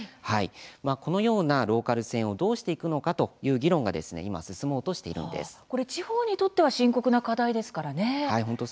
このようなローカル線をどうしていくのかという議論が地方にとっては深刻な課題ですからね。